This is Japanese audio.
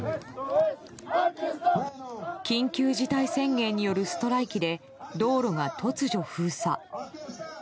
緊急事態宣言によるストライキで道路が突如、封鎖。